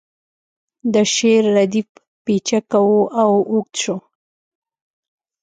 د شعر ردیف پیچکه و او اوږد شو